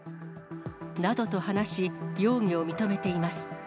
などと話し、容疑を認めています。